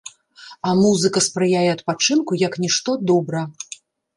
А музыка спрыяе адпачынку як нішто добра.